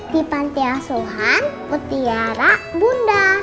di pantai asuhan putiara bunda